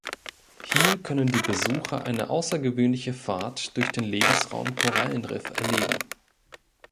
Hier können die Besucher eine außergewöhnliche Fahrt durch den Lebensraum Korallenriff erleben.